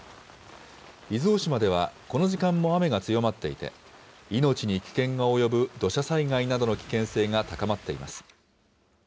伊豆大島ではこの時間も雨が強まっていて、命に危険が及ぶ土砂災害などの危険性が高まっています。